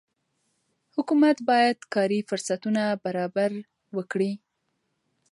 حکومت باید کاري فرصتونه برابر وکړي.